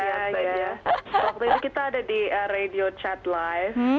waktu itu kita ada di radio chat live